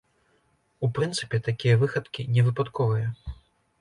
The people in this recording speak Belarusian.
У прынцыпе, такія выхадкі не выпадковыя.